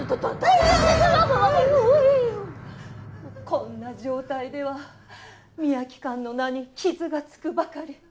こんな状態では水明館の名に傷が付くばかり。